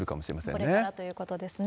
これからということですね。